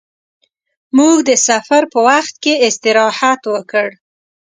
موږ د سفر په وخت کې استراحت وکړ.